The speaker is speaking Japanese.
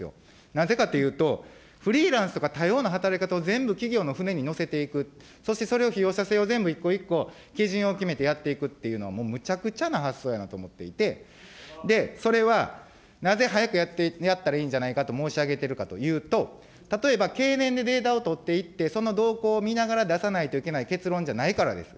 なぜかというと、フリーランスとか、多様な働き方を全部企業の船に乗せていく、そしてそれを被用者性を全部、一個一個、基準を決めてやっていくというのはもうむちゃくちゃな発想やなと思っていて、それは、なぜ早くやったらいいんじゃないかと申し上げてるかというと、例えば経年でデータを取っていって、その動向を見ながら出さないといけない結論じゃないからです。